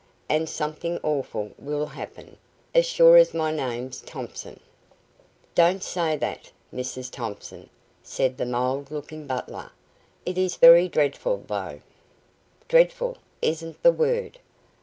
And something awful will happen, as sure as my name's Thompson." "Don't say that, Mrs Thompson," said the mild looking butler. "It is very dreadful, though." "Dreadful isn't the word.